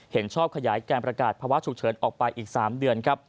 เห็นชอบขยายการประกาศภาวะฉุกเฉินออกไปอีก๓เดือนครับ